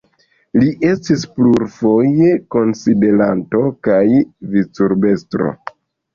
Li estis plurfoje konsilanto, kaj vicurbestro.